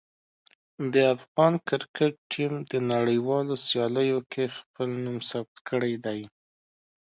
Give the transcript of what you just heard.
د افغان کرکټ ټیم د نړیوالو سیالیو کې خپل نوم ثبت کړی دی.